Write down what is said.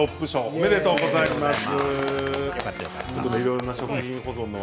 おめでとうございます。